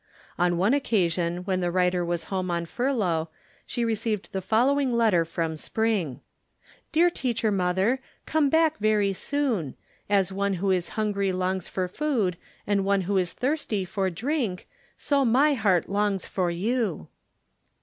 On one occasion when the writer was home on furlough, she received the following letter from Spring: "Dear Teacher Mother, Come back very soon. As one who is hungry longs for food and one who is thirsty for drink, so my heart longs for you!"